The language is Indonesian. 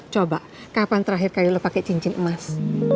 coba kapan terakhir kali lo pakai cincin emas